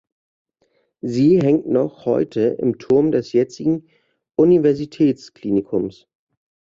Sie hängt noch heute im Turm des jetzigen Universitätsklinikums.